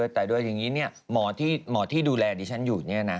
แต่ด้วยอย่างนี้เนี่ยหมอที่ดูแลดิฉันอยู่เนี่ยนะ